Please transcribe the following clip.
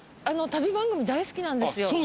旅番組大好きなんですよ。